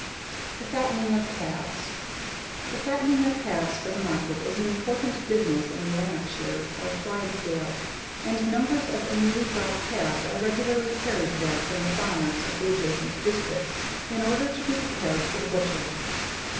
THE FATTENING OF CALVES. The fattening of calves for the market is an important business in Lanarkshire or Clydesdale, and numbers of newly dropped calves are regularly carried there from the farmers of the adjacent districts, in order to be prepared for the butcher.